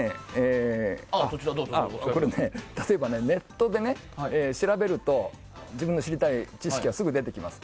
例えばネットで調べると自分が知りたい知識がすぐ出てきます。